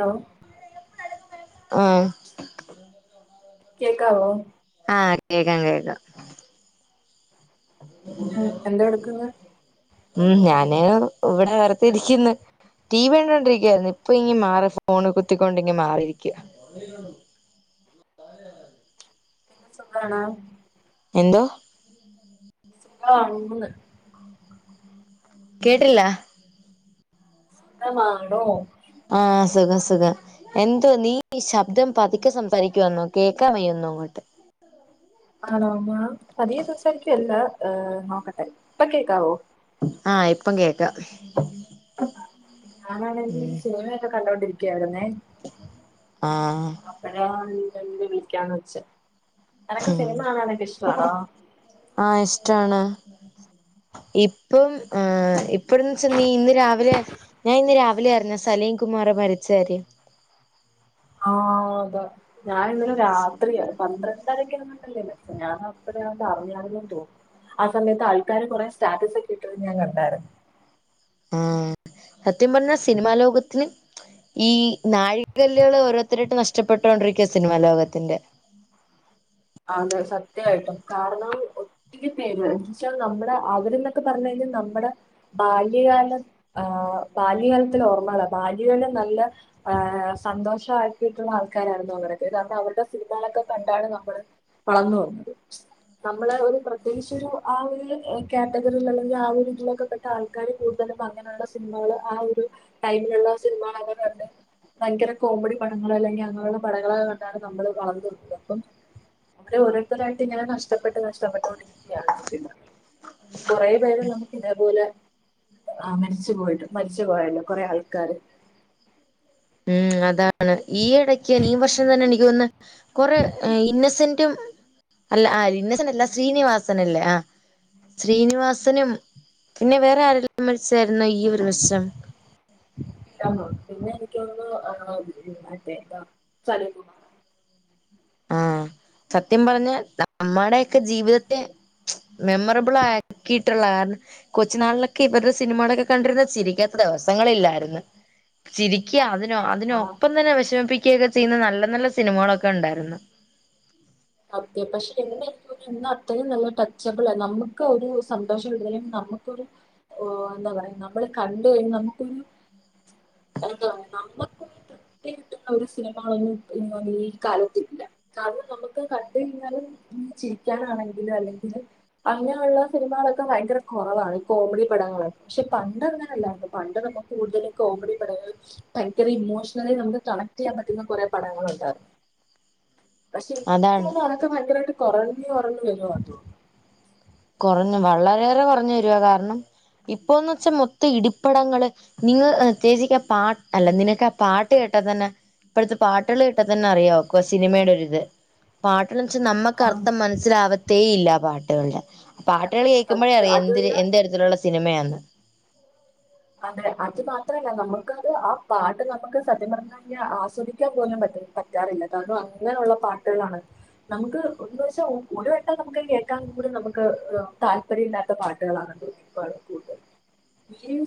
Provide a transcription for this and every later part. Law ആഹ് കേക്കാവോ ആഹ് കേക്കാം കേക്കാം ഉം എന്തോടുക്കുന്നു ഉം ഞാന് ഇവിടെ വേർതിരിക്കുന്ന് ടി വി കണ്ടോണ്ടിരിക്കായിരുന്നു ഇപ്പ ഇങ്ങ് മാറി ഫോണ് കുത്തിക്കൊണ്ടിങ്ങ് മാറിയിരിക്ക സുഖാണോ എന്തോ [unintelligible] ആണോന്ന് കേട്ടില്ല ഖമാണോ ആഹ് സുഖം സുഖം എന്തോ നീഈ ശബ്ദം പതുക്കെ സംസാരിക്കുവാന്നോ കേക്കാൻ വയ്യൊന്നും അങ്ങോട്ട് ആണോ മാ പതിയെ സംസാരിക്കുവല്ല നോക്കട്ടെ പ്പൊ കേക്കാവോ ആഹ് ഇപ്പം കേക്കാം ഞാനാണെങ്കി ഉം സിനിമയൊക്കെ കണ്ടോണ്ടിരിക്കായിരുന്നേ ആഹ് അപ്പഴാണ് നിന്നെ [unintelligible] വിളിക്കാന്ന് വെച്ചെ ഉം ആഹ് ഇഷ്ടാണ് ഇപ്പം ആഹ് ഇപ്പഴന്ന് വച്ച നീ ഇന്ന് രാവിലെ ഞാൻ ഇന്ന് രാവിലേ അർഞ്ഞെ സലീം കുമാറ് മരിച്ചാര്യം ആഹ് അതോ ഞാൻ ഇന്നലെ രാത്രിയാ പന്ത്രണ്ടരക്ക ല്ലെ മരിച്ചേ ഞാൻ അപ്പടെ അറിഞ്ഞാർന്നെന്ന് തോന്നു ആ സമയത്ത് ആൾക്കാര് കൊറെേ സ്റ്റാറ്റസ് ഒക്കെ ഇട്ടത് ഞാൻ കണ്ടാരുന്നു ആഹ് സത്യം പർഞ്ഞാ സിനിമാ ലോകത്തിന് ഈ നാഴികല്ലുകൾ ഓരോരുത്തരായിട്ട് നഷ്ടപ്പെട്ടുകൊണ്ടിരിക്ക സിനിമാ ലോകത്തിന്റെ അത് സത്യമായിട്ടും കാരണം പേച്ചാൽ നമ്മുടെ ആഗ്രഹം എന്നൊക്കെ പറഞ് കഴിഞ്ഞാൽ നമ്മുടെ ബാല്യകാലം ആഹ് ബാല്യകാലത്തി ഓർമ്മള ബാല്യകാലം നല്ല ആഹ് സന്തോഷമാക്കിയിട്ടുള്ള അവരക്ക കാരണം അവരുടെ സിനിമകളൊക്കെ കണ്ടാണ് നമ്മള് വളന്നു വന്നത് നമ്മള് ഒരു പ്രത്യേകിച്ച് ഒരു ആ ഒരു കാറ്റഗറിയിൽ അല്ലെങ്കിൽ ആ ഒരു രീതിയിൽലൊക്കെ പെട്ട ആൾക്ക കളി കൂടുതലും അങ്ങനെയുള്ള സിനിമകൾ ആ ഒരു ടൈമിലുള്ള സിനിമകൾ ആണ് ഭയങ്കര കോമഡി പടങ്ൾ അല്ലെങ്കിൽ അങ്ങനെയുള്ള പടങ്ങളൊക്കെ കണ്ടാണ് നമ്മള് വളർന്നത് അപ്പം അവരെ ഓരോരുത്തരായിട്ട്ങ്ങനെ നഷ്ടപ്പെട്ട് നഷ്ടപ്പെട്ടൊണ്ടരിക്ക കൊറെ പേര് നമുക്ക് ഇതേപോലെ ആഹ് മരിച്ചു പോയിട്ട് മരിച്ചു പോയാലോ കുറെ ആൾക്കാര് ഉം അതാണ് ഈ ഇടയ്ക് ഇനി വർഷം തന്നെ എനിക്ക് തേന്നുന്ന കുറെ ഇന്നസെന്റും അല്ല ആഹ് ഇന്നസെന്റ് അല്ല ശ്രീനിവാസന അല്ലേ ആഹ് ശ്രീനിവാസനും പിന്നെ വേറെ ആരെല്ലാം മരിച്ചായിുന്നോ ഈ ഒരു വർഷം ഇല്ലന്ന് തോന്നുന്നു പിന്നെ എനിക്കൊന്നുന്നു അതെ എന്താല [unintelligible] ആഹ് സത്യം പറഞ്ഞ നമ്മടെൊക്കെ ജീവിതത്തെ മെമോറബിൾ ആ കിട്ടലാൻ കൊച്ചു നാളിലൊക്കെ ഇവരുടെ സിനിമകളൊക്കെ കണ്ടിരുന്നത് ചിരിക്കാത്ത ദിവസങ്ങളില്ലായിരുന്നു ചിരിക്കുക അതിനോ അതിനോ ആ, ഒപ്പം തന്നെ വിഷമിപ്പിക്കുകയ ഒക്കെ ചെയ്യുന്ന നല്ല നല്ല സിനിമകളൊക്കെ ഉണ്ടായിരുന്നു സത്യ പക്ഷെ എായിരിക്കും എന്ന അത്രയും നല്ല ടച്ചബിൾ അല നമുക്ക് ഒരു സന്തോഷം വിലയും ന നമുക്കൊരു എന്താ പറയാ നമ്മൾ കണ്ട കഴിഞ്ഞ നമുക്കൊരു എന്ത നമ്മക്കും കിട്ടുന്ന ഒരു സിനിമകളൊന്നും ഈ കാലുട്ടില കാരണം നമുക്ക് ക്കെ കണ്ട് കഴിഞ്ഞാലും ചിരിക്കാനാണെങ്കിൽ അല്ലെങ്കിലും അങ്ങനെയുള്ള സിനിമകളൊക്കെ ഭയങ്കര കുറവാണ് ഈ കോമഡി പടങ്ങള് പക്ഷെ പണ്ട് അങ്ങനെല്ലായിരുന്നു പണ്ട് നമ്മുക്ക് കൂടുതലും കോമഡി പടങ്ങൾ് ഭയങ്കര ഇമോഷണലി നമുക്ക് കണക്ട് ചെയ്യാൻ പറ്റുന്ന കുറെ പടങ്ങളൂണ്ടായിരുന്നു പക്ഷെ അതാണ് ഭയങ്കരയട്ട കുറഞ്ഞു കുറഞ്ഞു വരുവയിരുന്നു എന്തു കുറഞ്ഞു വളരെയേറെ കുറഞ്ഞു വരുവാ കാരണം ഇപ്പൊന്ന് വെച്ചാ മൊത്തം ഇടിപ്പടങ്ങള് നിങ്ങ തേച്ചിക്ക് പാട്ട് അല്ല നിനക്ക് ആ പാട്ട് കേട്ടാ തന്നെ ഇപ്പോഴത്തെ പാട്ടുകൾ കേട്ട തന്നെ അറിയാക്കോ സിനിമയുടെ ഒരിത് പാട്ടൾ വെച്ചാൽ ആ നമ്മുക്ക് അർത്ഥം മനസ്സിലാകത്തേ ഇല്ല പാട്ടുകളുടെ പാട്ടുകൾ കേൾക്കുമ്പോഴേ സത്യം അറിയാം എന്തി അതുമല്ല എന്ത് തരത്തിലുള്ള സിനിമയാാണ് അതെ അത് മാത്രല്ല നമുക്കത് ആ പാട്ട് നമുക്ക് സത്യം പറഞ്ഞ ആസ്വദിക്കാൻ പോലും പറ്റ പറ്റാറില്ല കാരണം അങ്ങനെയുള്ള പാട്ടുകളാണ് നമുക്ക് ഒന്നു വെച്ചാ ഒരു വട്ടം നമുക്ക് കേൾക്കാൻ കൂടിം നമുക്ക് താല്പര്യ ഇല്ലാത്ത പാട്ടുകളാണത് പണി കൂടുതൽ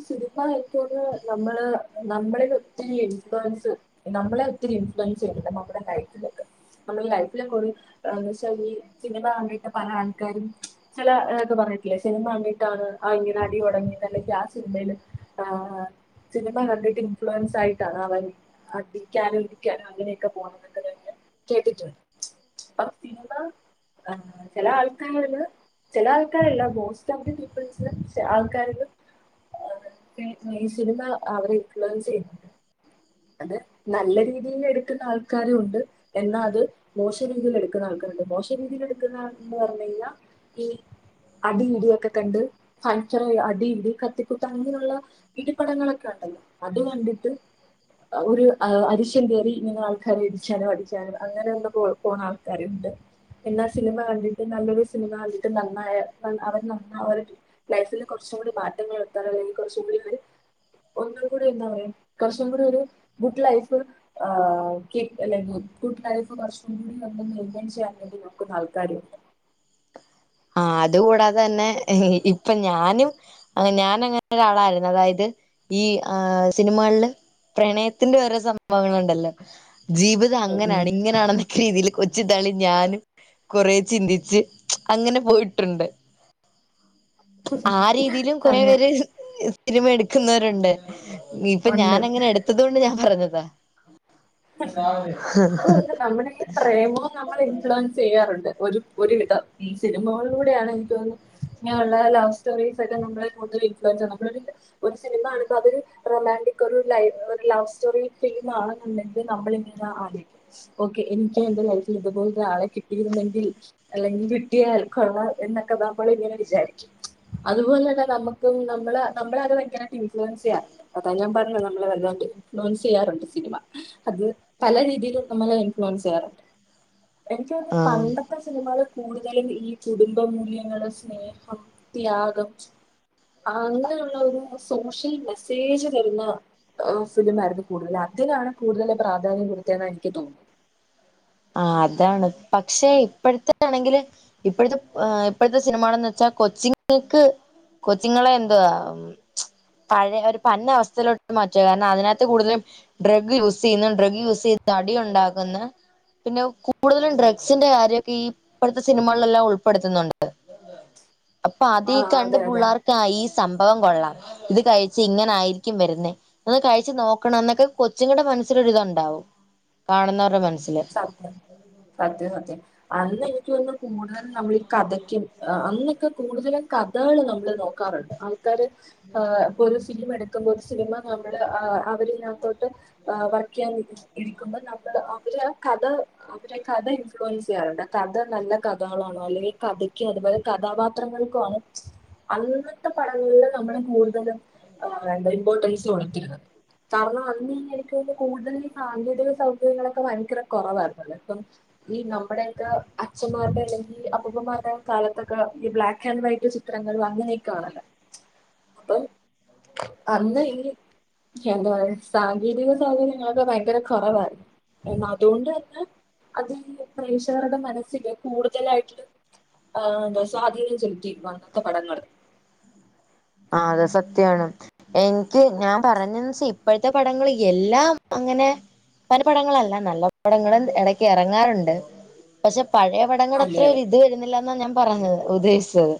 സിനിമ ആയിട്ടോന്ന് നമ്മള് നമ്മളൽ ഒത്തിരി ഇൻഫ്ലുവൻസ് നമ്മളെ ഒത്തിരി ഇൻഫ്ലുവൻസ് ചെയ്യണ്ട് നമ്മ ലൈഫിലൊക്കെ നമ്മുടെ ലൈഫിലൊക്കെ തെളിഞ്ഞി സിനിമ കാണിട്ട് പല ആൾക്കാരും ചിലത പറഞ്ഞിട്ടില്ലേ സിനിമ ക ണ്ടിട്ടാണ് അ ഇങ്ങനെ അടി തുടങ്ങിയത് അലകിൽ ആ സിനിമ യിൽ ആഹ് സിനിമ കണ്ടിട്ട് ഇൻഫ്ലുവൻസ് ആയിട്ടാണ് അവർ അടിക്കാനും അങ്ങനെയൊക്കെ പോണത് എന്നൊക്കെ കേട്ടിട്ടുണ്ട് അപ്പ സിനിമ ചില ആൾക്കാരിൽ ചില ആൾക്കാരെല്ലാം ബോസ് ചബ്ബി പീപ്പിൾസിനെ ചേ ആൾക്കാരും പി മെയിൻ സിനിമ അവര് ഇഫ്ലുവൻസ് ചെയ്യുന്നുണ്ട് അത് നല്ല രീതിൽ എടുക്കുന്ന ആൾക്കാര് ഇണ്ട് എന്നാൽ അത് മോശ രീതിയിൽ എടുക്കുന്ന ആൾക്കാരുണ്ട് മോശ രീതിയിൽ എടുക്കുന്ന ആഹ് എന്ന് പറഞ്ഞു കഴിഞ്ഞാൽ ഈ അടിയിടിയൊക്കെ കണ്ട് പഞ്ചറ അടിയിടി കത്തിക്കുട്ടണെങ്കിൽ. ഇടിപടങ്ങളൊക്കെ ഇണ്ടല്ലോ അത് കണ്ടിട്ട്. ഒരു അരിശ്യം കയറി ഇങ്ങനെ ആൾക്കാരെ ഇടിച്ചാലും അടിച്ചാനും അങ്ങനെ ഒന്ന് പോഴ പോണ ആൾക്കാര ഇണ്ട്. എന്നാ സിനിമ കണ്ടിട്ട് നല്ലൊരു സിനിമ കണ്ടിട്ട് നന്നായ അവർ നന്ന അവർ. ലൈഫില് കുറച്ചും കൂടി മാറ്റങ്ങൾ വരുത്താൻ അല്ലെങ്കിൽ കുറച്ചും കൂടി ഒരു. ഒന്ന്. കൂടി എന്താ പറയാ കുറച്ചും കൂടി ഒരു ഗുഡ് ലൈഫ്. അല്ലെട്ട ലൈഫ് കുറച്ചും കൂടി ഒൻ ചെയ്യാൻ വേണ്ടി നമുക്ക് താൽപര്യമുണ്ട്. ആഹ് അതുകൂടാതെ തന്നെ ഇപ്പൊ ഞാനും. അഹ് ഞാൻ അങ്ങനെ ഒരാളായിരുന്നു അതായത് ഈ ആഹ് സിനിമകളില്. പ്രണയത്തിന്റെ ഓരോ സംഭവങ്ങളുണ്ടല്ലോ ജീവിത അത് ഉം അങ്ങനെയാണ് ഇങ്ങനെയണെന്നൊക്കെ രീതിയിൽ കൊച്ചു താളി ഞാനും കൊറച്ച് ചിന്തിച്ച്. അങ്ങനെ പോയിട്ടുണ്ട് ഉം ആഹ് രീതിയിലും കൊറെ തന്നെ പേര്. സിനിമ എടുക്കുന്നവരുണ്ട് ഇപ്പൊ ഞാൻ ഉണ്ട് അങ്ങനെ എടുത്തത് കൊണ്ട് ഞാൻ പറഞ്ഞതാ. അതുകൊണ്ട് നമ്മുടെ പ്രേമവും നമ്മൾ ഇൻഫ്ലുവൻസ്. ചെയ്യാറുണ്ട് ഒരു ഒരുവിധം സിനിമകളിലൂടെയാണ് എനിക്ക് തോന്നുന്നത്. ഇങ്ങനെയുള്ള ലവ് സ്റ്റോറീസ് ഒക്കെ നമ്മളെ കട്ട് വക്കറ്റോ നമ്മളെ ഒരു സിനിമ ആണപ്പോ അതൊരു റൊമാന്റിക് ഒരു ലൈ ഒരു ലവ് സ്റ്റോറി ഫിലിം ആണെന്നുണ്ടെ നമ്മളിങ്ങനെ ആരും ഓ എനിക്കും എന്റെ ലൈഫിൽ ഇതുപോലെ ആളെ കിട്ടിയിരുന്നെങ്കിൽ. അല്ലെങ്കിൽ കിട്ടിയ ആൽക്കാരെ എന്നൊക്കെ തോന്നുമ്പോൾ ഇങ്ങനെ വിചാരിക്കും. അതുപോലെ തന്നെ നമ്മുക്കും നമ്മളെ നമ്മളെ അതെക്കായിട്ട് ഇൻഫ്ലുവൻസ് ചെയ്യാം. അതാ ഞാൻ പറഞ്ഞത് നമ്മളെ വല്ലാണ്ട് ഇൻഫ്ലുവൻസ് ചെയ്യാറുണ്ട് സിനിമ. അത് പല രീതിയിലും നമ്മൾ ഇൻഫ്ലുവൻസ് ചെയ്യാറുണ്ട് എനിക്ക് ആഹ് പണ്ടെ ൻത്ത സിനിമകള് കൂടുതലും ഈ കുടുംബ മൂല്യങ്ങളുടെ സ്നേഹം ത്യാഗം. അങ്ങനെയുള്ള ഒരു സോഷ്യൽ മെസ്സേജ് തരുന്ന. ഫിലിമായിരുന്നു കൂടുതൽ അതിനാണ് കൂടുതൽ പ്രാധാന്യം കൊടുത്തതെന്ന് എനിക്ക് തോന്നുന്നു. ആഹ് അതാണ് പക്ഷെ ഇപ്പോഴത്താണെങ്കില്. ഇപ്പോഴത്തെ ഇപ്പോഴത്തെ സിനിമായാണെന്ന് വെച്ചാൽ കൊച്ചിങ്ങക്ക് കൊച്ചിങ്ങളെ എന്തവാ. പഴയ ഒരു വന്ന അവസ്ഥയിലോട്ട് മാറ്റുവ കാരണം അതിനകത്ത് കൂടുതലും. ഡ്രഗ് യൂസ് ചെയ്യുന്നു ഡ്രഗ് യൂസ് ചെയ്യുന്ന അടി ഇണ്ടാകുന്ന. പിന്നെ കൂടുതലും ഡ്രഗ്സിന്റെ കാര്യമൊക്കെ ഈ ഇപ്പോഴത്തെ സിനിമകളിലെല്ലാം ഉൾപ്പെടുത്തുന്നുണ്ട്. [inaudible] അപ്പൊ അത് ആ കണ്ട് അതെ അതെ പിള്ളേർക്ക് ഈ സംഭവം കൊള്ളാം. ഇത് കഴിച്ചാൽ ഇങ്ങനെ ആയിരിക്കും വരുന്നേ. അന്ന് കഴിച്ചു നോക്കണം എന്നൊക്കെ കൊച്ചുങ്ങളുടെ മനസ്സലൊരിത്ണ്ടാവും കാണുന്നവരുടെ മനസ്സിൽ. സത് സത് സത്യം അന്നെനിക്ക് വന്ന് കൂടുതലും നമ്മൾ ഈ കഥയ്ക്കും അന്നൊക്കെ കൂടുതലും ക ഇതാണ് നമ്മള് നോക്കാറ്ണ്ട് ആൾക്കാര് ങ് ഇപ്പ ഒരു സിനി എടു ക്കുമ്പോ ഒരു സിനിമ നമ്മള് അവരിതിനകത്തോട്ട് ആഹ് വർക്ക് ചെയ്യാൻ ഇരി ഇരിക്കുമ്പോ നമ്മള് അവര് കഥ അവരെ കഥ ഇൻഫ്ലുവൻസ് ചെയ്യാറുണ്ട് ആ കഥ നല്ല കഥകളാണോ അല്ലെങ്കിൽ കഥയ്ക്ക് അതുപോലെ കഥാപാത്രങ്ങൾക്കുവാണ് അന്നത്തെ പടങ്ങളില് നമ്മള് കൂടുതലും എന്താ ഇമ്പോർട്ടൻസ് കൊടുത്തിരുന്നത്. കാരണം അന്ന് [unintelligible] കൂടുതല് ഈ സാങ്കേതിക സൗകര്യങ്ങളൊക്കെ ഭയങ്കര കൊറവായിരുന്നല്ലേ ഇപ്പം ഈ നമ്മടെയൊക്കെ അച്ഛമ്മാരുടെ അല്ലെങ്കിൽ അപ്പൂപ്പമ്മമാരുടെ കാലത്തൊക്കെ ഈ ബ്ലാക്ക് ആൻഡ് വൈറ്റ് ചി ചിത്രങ്ങൾ വന്ന് നിക്കുവാണല്ലോ അപ്പം അന്ന് ഈ എന്താ പറയാ സാങ്കേതിക സൗകര്യങ്ങളൊക്കെ ഭയങ്കര കൊറവായിരുന്നു എന്നാ അതുകൊണ്ട് തന്നെ അത് ഈ പ്രേക്ഷകരുടെ മനസ്സില് കൂടുതലായിട്ട്ള്ള ആഹ് സ്വാധീനം ചെലുത്തി അന്നത്തെ പടങ്ങള് ആഹ് അതെ സത്യാണ്. എനിക്ക് ഞാൻ പറഞ്ഞേന്ന് വെച്ചാ ഇപ്പഴ്ത്തെ പടങ്ങള് എല്ലാം അങ്ങനെ [unintelligible] പടങ്ങളല്ല നല്ല പടങ്ങളും എടക്ക് എറങ്ങാറുണ്ട് പക്ഷെ പഴയ പടങ്ങടെ അത്ര അതെ അതെ ഒര് ഇത് വെരുന്നില്ല എന്നാ ഞാൻ പറഞ്ഞത് ഉദ്ദേശിച്ചത്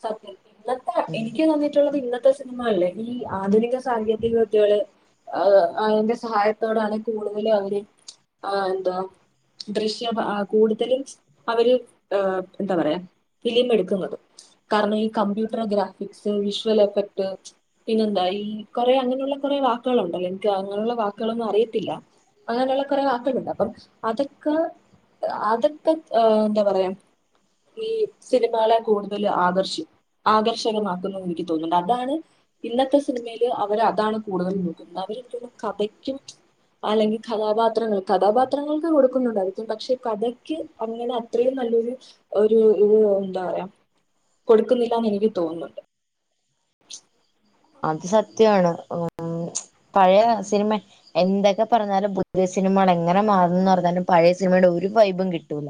സത്യം ഇന്നത്തെ ഉം എനിക്ക് തോന്നിയിട്ടുള്ളത് ഇന്നത് ഇന്നത്തെ സിനിമകളിലെ ഈ ആധുനിക സാങ്കേതിക വിദ്യകള് ആഹ് അതിന്റെ സഹായത്തോടാണ് കൂടുതലും അവര് ആഹ് എന്താ ദൃശ്യം കൂടുതലും അവര് എന്താ പറയാ ഫിലിം എടുക്കുന്നതും കാരണം ഈ കംമ്പ്യൂട്ടർ ഗ്രാഫിക്സ് വിഷ്വൽ എഫക്ട് പിന്നെന്താ ഈ കൊറെ അങ്ങനെയുള്ള കൊറെ വാക്കുകളുണ്ടല്ലോ എനിക്ക് അങ്ങനെയുള്ള വാക്കുകളൊന്നും അറിയത്തില്ലാ അങ്ങനെയ്ള്ള കൊറെ വാക്കുകളുണ്ട് അപ്പം അതൊക്കെ അതെക്കെ ഏഹ് എന്താ പറയാ ഈ സിനിമകളെ കൂടുതല് ആകർ ഷ് ആകർഷകമാക്കുന്നു എന്ന് എനിക്ക് തോന്നുന്നുണ്ട് അതാണ് ഇന്നത്തെ സിനിമയില് അവര് അതാണ് കൂടുതലും നോക്കുന്നത് അവരെപ്പഴും കഥയ്ക്കും അല്ലെങ്കിൽ കഥാപാത്രങ്ങൾ കഥാപാത്രങ്ങൾക്ക് കൊടുക്കുന്നുണ്ടായിരിക്കും പക്ഷെ കഥയ്ക്ക് അങ്ങനെ അത്രയും നല്ലൊരു ഒരു ഇത് എന്താ പറയാ കൊടുക്കുന്നില്ലാന്ന് എനിക്ക് തോന്നുന്നുണ്ട് അത് സത്യവാണ് ഉം പഴയ സിനിമ എന്തൊക്കെ പറഞ്ഞാലും പുതിയ സിനിമകള് എങ്ങനെ മാറൂന്ന് പറഞ്ഞാലും പഴയ സിനിമയുടെ ഒരു വൈബും കിട്ടൂല്ലാ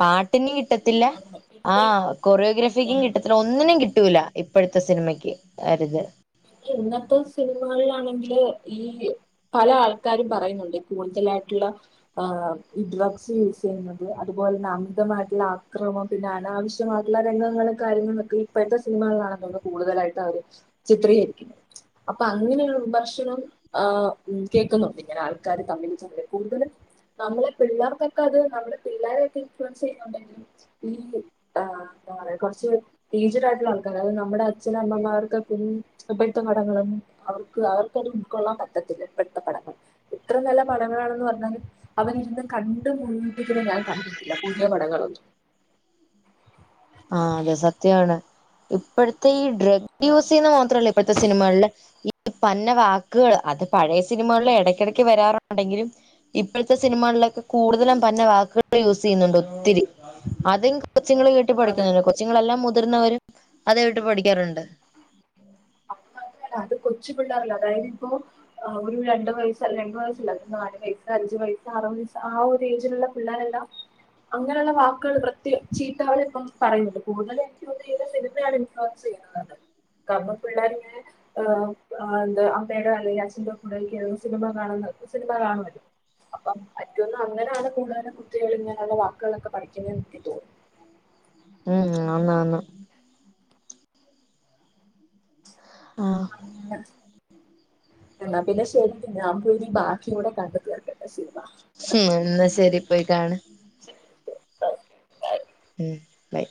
പാട്ടിന് കിട്ടത്തില്ലാ പിന്നെ ആഹ് കൊറിയോഗ്രാഫിക്കും കിട്ടത്തില്ല ഒന്നിനും കിട്ടൂലാ ഇപ്പഴ്ത്തെ സിനിമക്ക് ആ ഒരിത് ഇന്നത്തെ സിനിമകളിലാണെങ്കില് ഈ പല ആൾക്കാരും പറയുന്നുണ്ട് കൂടുതലായിട്ടുള്ള ആഹ് ഈ ഡ്രഗ്സ് യൂസ് ചെയ്യുന്നത് അതുപോലെ തന്നെ അമിതമായിട്ടുള്ള അക്രമം പിന്നെ അനാവശ്യമായിട്ടുള്ള രംഗങ്ങളും കാര്യങ്ങളൊക്കെ ഇപ്പഴ്ത്തെ സിനിമകളാണെന്ന് തോനുന്നു കൂടുതലായിട്ട് അവര് ചിത്രീകരിക്കുന്നത് അപ്പൊ അങ്ങനെയുള്ള വിമർശനം ആഹ് ഉം കേൾക്കുന്നുണ്ട് ഇങ്ങനെ ആൾക്കാര് തമ്മിൽ തമ്മില് കൂടുതലും നമ്മളെ പിള്ളേർക്കൊക്കെ അത് നമ്മടെ പിള്ളോരെയൊക്കെ ഇൻഫ്ലുവൻസ് ചെയ്യുന്നുണ്ടെങ്കിൽ ഈ ആഹ് എന്താ പറയാ കൊറച്ച് എയിജ്ഡ് ആയിട്ടുള്ള ആൾക്കാര് അതായത് നമ്മടെ അച്ഛനും അമ്മമാർക്ക് പിൻ ഇപ്പഴ്ത്തെ പടങ്ങളും അവർക്ക് അവർക്കത് ഉൾക്കൊള്ളാൻ പറ്റത്തില്ല ഇപ്പഴ്ത്തെ പടങ്ങള് എത്ര നല്ല പടങ്ങളാണെന്ന് പറഞ്ഞാലും അവൻ ഇരുന്ന് കണ്ട് മുഴുമിപ്പിക്കുന്ന ഞാൻ കണ്ടിട്ടില്ലാ പുതിയ പടങ്ങളൊന്നും ആ അതെ സത്യമാണ് ഇപ്പോഴത്തെ ഈ ഡ്രഗ് യൂസ് ചെയ്യുന്ന ളിലപ്പെടുത്ത സിനിമകില് ഈ പ്പന്ന വാക്കുകൾ അത് പഴയ സിനിമകളിൽ ഇടയ്ക്കിടയ്ക്ക് വരാറുണ്ടെങ്കിലും ഇപ്പോഴത്തെ സിനിമകളിലൊക്കെ കൂടുതലും പന്ന വാക്കുകൾ യൂസ് ചെയ്യുന്നുണ്ട് ഒത്തിരി അതും കൊച്ചുങ്ങൾ കേട്ട് അതെ പഠിക്കുന്നുണ്ട് കൊച്ചുങ്ങളെല്ലാം മുതിർന്നവരും അത് കേട്ട് പഠിക്കാറുണ്ട് അത് മാത്രല്ല അത് കൊച്ചു പിള്ളേർല്ല അതായത് ഇപ്പൊ അഹ്‌ ഒരു രണ്ടു വയസ് രണ്ട വയസല്ല നാല് വയസ്സ് അഞ്ചു വയസ്സ് അറു വയസ് ആ ഒരു ഏജിലുള്ള പിള്ളേരുണ്ടോ അങ്ങനെയുള്ള വാക്കുകൾ വൃത്തിയ ചീത്തകള ഇപ്പം പറയുന്നുണ്ട് കൂടുതലും എനിക്ക് തോന്ന സിനിമയാണ് [unintelligible] കമ്മ പിള്ളേരിങ്ങനെ എാ എന്താ അമ്മയുടെ അല്ലെങ്കിൽ അച്ഛന്റെ കൂടെ ഒക്ക സിനിമ കാണുന്നത് സിനിമ കാണുവും അപ്പം പറ്റോന്നും അങ്ങനെയാണ് കൂടുതലെ കുട്ടകൾ ഇങ്ങനെയുള്ള വാക്കുകളൊക്കെ പഠിക്കുന്ന എറ്റി തോന്നുന്നു ഉംഹ് ആന്ന് ആന്ന് ആഹ് പി എന്ന പിന്നെ ശെരി ന്നാ പോയി ബാക്കിയ കൂടെ കണ്ട് തീർക്കട്ടെ ശിവാ ശേ എന്നാ ശരി പോയി കാണ് ശരി ആ മ്മ് ബൈ